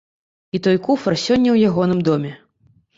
І той куфар сёння ў ягоным доме.